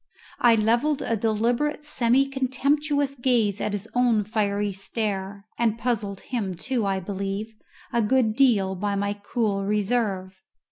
I levelled a deliberate semi contemptuous gaze at his own fiery stare, and puzzled him, too, I believe, a good deal by my cool reserve.